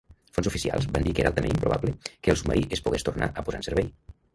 Fonts oficials van dir que era "altament improbable" que el submarí es pogués tornar a posar en servei.